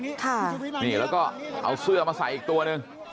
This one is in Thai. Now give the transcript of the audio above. ค่ะนี่แล้วก็เอาเสื้อมาใส่อีกตัวหนึ่ง